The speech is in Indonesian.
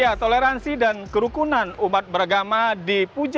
ya toleransi dan kerukunan umat beragama di puja